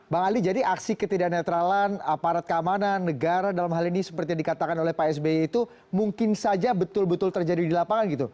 bang ali jadi aksi ketidak netralan aparat keamanan negara dalam hal ini seperti yang dikatakan oleh pak sby itu mungkin saja betul betul terjadi di lapangan gitu